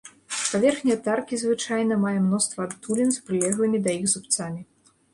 Паверхня таркі звычайна мае мноства адтулін з прылеглымі да іх зубцамі.